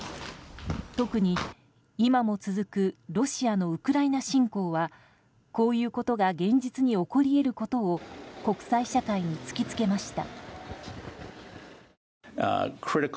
特に、今も続くロシアのウクライナ侵攻はこういうことが現実に起こり得ることを国際社会に突き付けました。